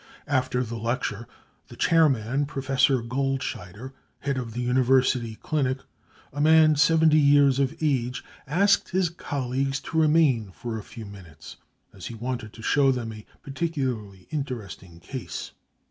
After the lecture the chair man, Professor Goldscheider, head of the University Clinic, a man seventy years of age, asked his colleagues to remain for a few minutes, as he wanted to show them a particularly interesting case.